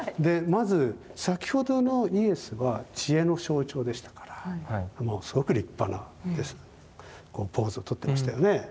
まず先ほどのイエスは知恵の象徴でしたからすごく立派なポーズをとってましたよね。